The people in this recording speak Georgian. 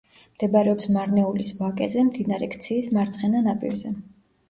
მდებარეობს მარნეულის ვაკეზე, მდინარე ქციის მარცხენა ნაპირზე.